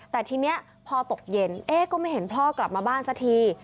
แต่ทีนี้พอตกเย็นเอ๊ะก็ไม่เห็นพ่อกลับมาบ้านสักที